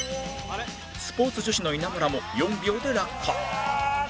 スポーツ女子の稲村も４秒で落下